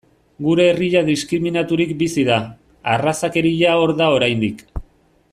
Gure herria diskriminaturik bizi da, arrazakeria hor da oraindik.